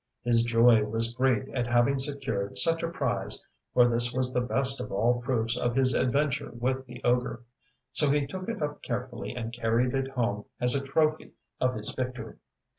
His joy was great at having secured such a prize, for this was the best of all proofs of his adventure with the ogre. So he took it up carefully and carried it home as a trophy of his victory.